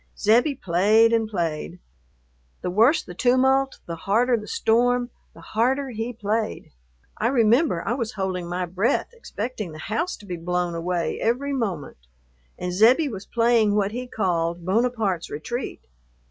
Zebbie played and played. The worse the tumult, the harder the storm, the harder he played. I remember I was holding my breath, expecting the house to be blown away every moment, and Zebbie was playing what he called "Bonaparte's Retreat."